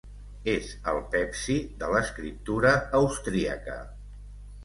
És el Pepsi de l'escriptura austríaca.